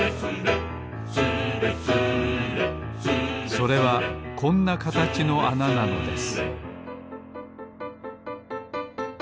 それはこんなかたちのあななのです